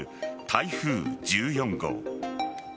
台風１４号。